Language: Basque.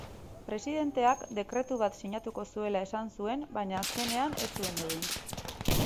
Presidenteak dekretu bat sinatuko zuela esan zuen, baina azkenean ez zuen egin.